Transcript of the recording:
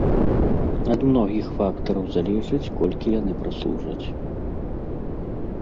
Ад многіх фактараў залежыць, колькі яны праслужаць.